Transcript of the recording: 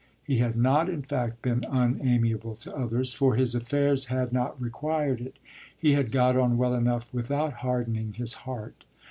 He had not in fact been unamiable to others, for his affairs had not required it: he had got on well enough without hardening his heart.